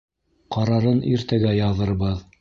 Ҡарарын иртәгә яҙырбыҙ!